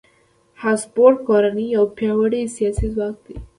هابسبورګ کورنۍ یو پیاوړی سیاسي ځواک و.